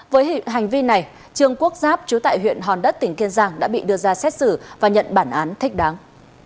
với hành vi này trương quốc giáp chú tại huyện hòn đất tỉnh kiên giang đã bị đưa ra xét xử và nhận bản án thích đáng